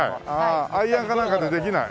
アイアンかなんかでできない？